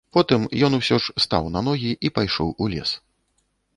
Потым ён усё ж стаў на ногі і пайшоў у лес.